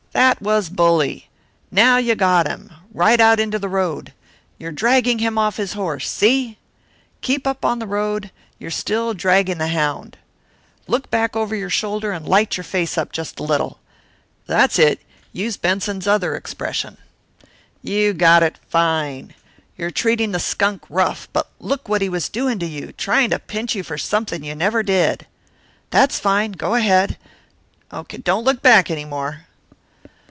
"That was bully. Now you got him. Ride out into the road. You're dragging him off his horse, see? Keep on up the road; you're still dragging the hound. Look back over your shoulder and light your face up just a little that's it, use Benson's other expression. You got it fine. You're treating the skunk rough, but look what he was doing to you, trying to pinch you for something you never did. That's fine go ahead. Don't look back any more."